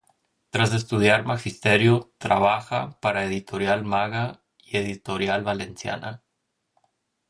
Tras estudiar magisterio, trabaja para Editorial Maga y Editorial Valenciana.